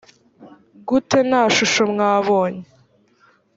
gute nta shusho mwabonye